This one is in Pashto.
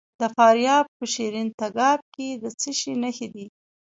د فاریاب په شیرین تګاب کې د څه شي نښې دي؟